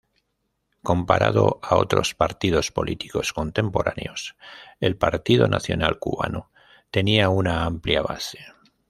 Comparado a otros partidos políticos contemporáneos, el Partido Nacional Cubano tenían una amplia base.